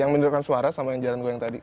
yang menurutkan suara sama yang jaran goyang tadi